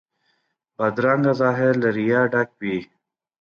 بدرنګه ظاهر له ریا ډک وي